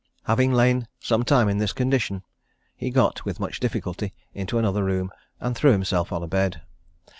Having lain some time in this condition, he got, with much difficulty, into another room, and threw himself on a bed.